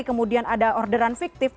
kemudian ada orderan fiktif